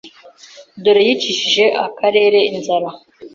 dore yicishije akarere inzara